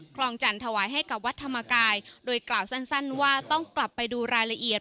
คลองจันทวายให้กับวัดธรรมกายโดยกล่าวสั้นว่าต้องกลับไปดูรายละเอียด